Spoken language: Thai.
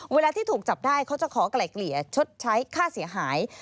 เวลาที่ถูกจับได้เขาจะขอไกล่เกลี่ยชดใช้ค่าเสียหาย